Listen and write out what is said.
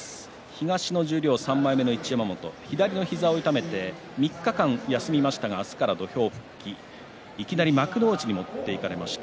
東十両３枚目、膝を痛めて３日間休みましたけれども明日から土俵復帰、いきなり幕内に持っていかれました。